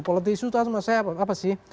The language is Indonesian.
politi isu itu sama saya apa sih